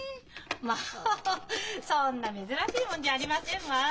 まあそんな珍しいもんじゃありませんわ。